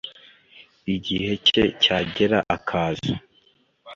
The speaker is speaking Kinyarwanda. Igihe cye cyagera akaza